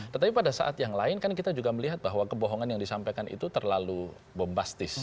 tetapi pada saat yang lain kan kita juga melihat bahwa kebohongan yang disampaikan itu terlalu bombastis